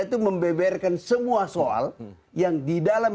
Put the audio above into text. itu membeberkan semua soal yang di dalam